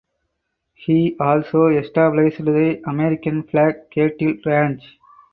He also established the American Flag cattle ranch.